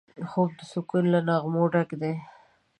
خوب د سکون له نغمو ډک دی